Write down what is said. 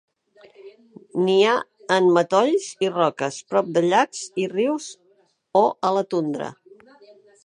Nia en matolls i roques, prop de llacs i rius o a la tundra.